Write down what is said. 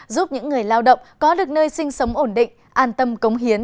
giúp những người lao động có được nơi sinh sống ổn định an tâm cống hiến